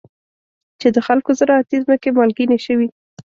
چې د خلکو زراعتي ځمکې مالګینې شوي.